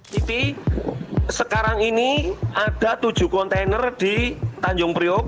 jadi sekarang ini ada tujuh kontainer di tanjung priok